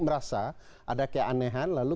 merasa ada keanehan lalu